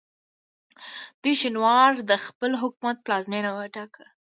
دوی شینوار د خپل حکومت پلازمینه وټاکه.